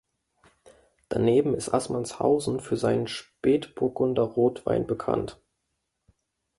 Daneben ist Assmannshausen für seinen Spätburgunder-Rotwein bekannt.